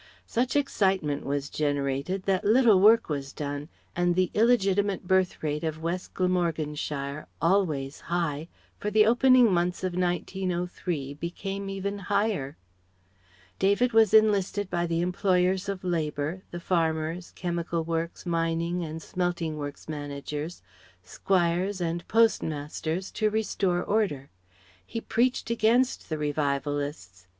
Such excitement was generated that little work was done, and the illegitimate birth rate of west Glamorganshire always high for the opening months of 1903 became even higher. David was enlisted by the employers of labour, the farmers, chemical works, mining and smelting works managers, squires, and postmasters to restore order. He preached against the Revivalists.